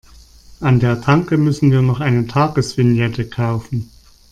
An der Tanke müssen wir noch eine Tagesvignette kaufen.